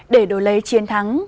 để đối lấy chiến thắng